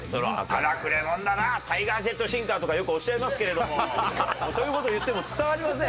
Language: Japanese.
「荒くれ者だなタイガー・ジェット・シンか！」とかよくおっしゃいますけれどもそういう事言っても伝わりません。